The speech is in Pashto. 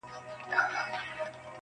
ګرېوان دي لوند دی خونه دي ورانه -